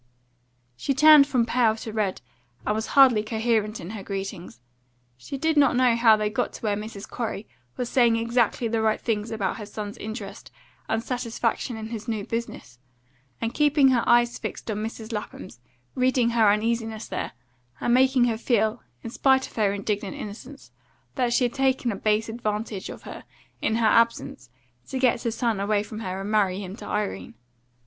She turned from pale to red, and was hardly coherent in her greetings; she did not know how they got to where Mrs. Corey was saying exactly the right things about her son's interest and satisfaction in his new business, and keeping her eyes fixed on Mrs. Lapham's, reading her uneasiness there, and making her feel, in spite of her indignant innocence, that she had taken a base advantage of her in her absence to get her son away from her and marry him to Irene.